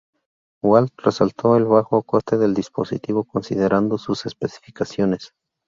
Walt resaltó el bajo coste del dispositivo considerando sus especificaciones.